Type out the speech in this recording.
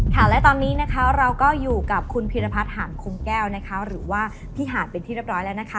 ค่ะและตอนนี้นะคะเราก็อยู่กับคุณพีรพัฒน์หางคงแก้วนะคะหรือว่าพี่หาดเป็นที่เรียบร้อยแล้วนะคะ